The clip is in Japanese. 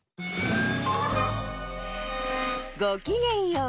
ごきげんよう。